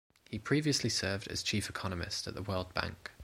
He previously served as chief economist at the World Bank.